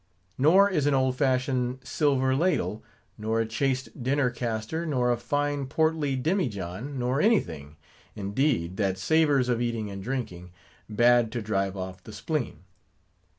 Nor is an old fashioned silver ladle, nor a chased dinner castor, nor a fine portly demijohn, nor anything, indeed, that savors of eating and drinking, bad to drive off the spleen.